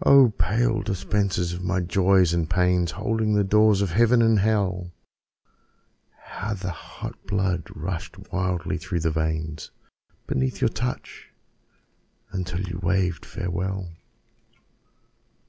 Oh, pale dispensers of my Joys and Pains, Holding the doors of Heaven and of Hell, How the hot blood rushed wildly through the veins Beneath your touch, until you waved farewell.